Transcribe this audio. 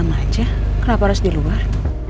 dalem aja kenapa harus diluar